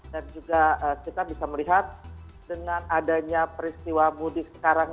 dan juga kita bisa melihat dengan adanya peristiwa mudik sekarang